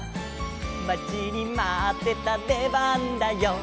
「まちにまってたでばんだよ」